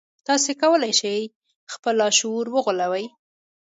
تاسې کولای شئ خپل لاشعور وغولوئ